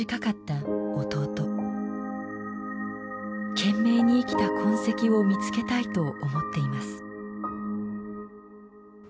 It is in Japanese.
懸命に生きた痕跡を見つけたいと思っています。